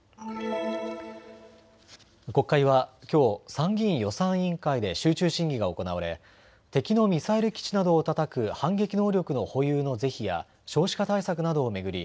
国会はきょう参議院予算委員会で集中審議が行われ敵のミサイル基地などをたたく反撃能力の保有の是非や少子化対策などを巡り